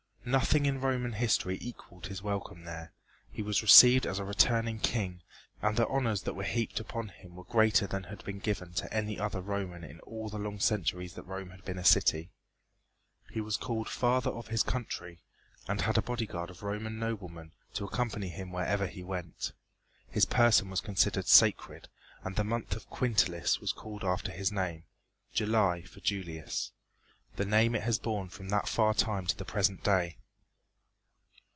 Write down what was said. Nothing in Roman history equalled his welcome there. He was received as a returning king and the honors that were heaped upon him were greater than had been given to any other Roman in all the long centuries that Rome had been a city. He was called "Father of His Country" and had a bodyguard of Roman noblemen to accompany him wherever he went. His person was considered sacred, and the month of Quintilis was called after his name, July, for Julius, the name it has borne from that far time to the present day.